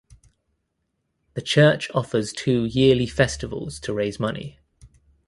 The church offers two yearly festivals to raise money.